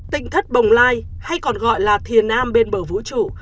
tỉnh thất bồng lai hay còn gọi là thiền nam bên bờ vũ trụ